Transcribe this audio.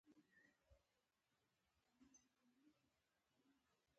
د خاصې په توګه در ټول کړه.